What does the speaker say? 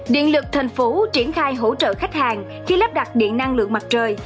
điện lực tp hcm triển khai hỗ trợ khách hàng khi lắp đặt điện năng lượng mặt trời